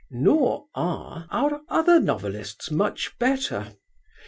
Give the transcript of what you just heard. Nor are our other novelists much better.